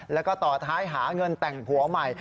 แล้วก็ต่อท้ายหาเงินแต่งผัวใหม่